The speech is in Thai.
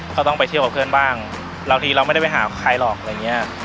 เขาต้องไปเที่ยวกับเพื่อนบ้างบางทีเราไม่ได้ไปหาใครหรอกอะไรอย่างเงี้ย